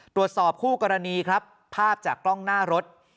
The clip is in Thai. ตรวจสอบคู่กรณีครับภาพจากกล้องหน้ารถ